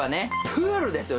プールですよ